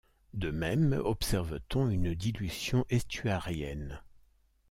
De même observe-t-on une dilution estuarienne.